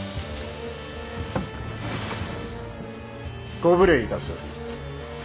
ご無礼いたす。